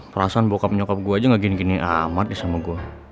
perasaan bokap nyokap gue aja gak gini gini amat ya sama gue